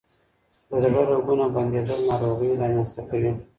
د زړه رګونه بندیدل ناروغۍ رامنځ ته کوي.